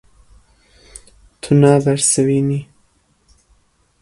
Tu nabersivînî.